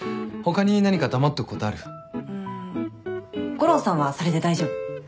悟郎さんはそれで大丈夫。